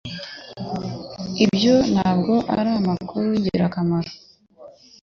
Ibyo ntabwo ari amakuru yingirakamaro.